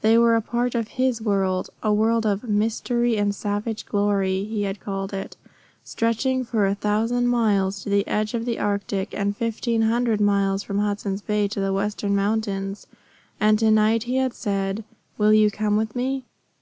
They were a part of his world a world of "mystery and savage glory" he had called it, stretching for a thousand miles to the edge of the Arctic, and fifteen hundred miles from Hudson's Bay to the western mountains. And to night he had said, "Will you come with me?"